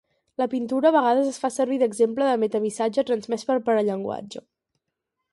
La pintura a vegades es fa servir d'exemple de metamissatge transmès pel parallenguatge.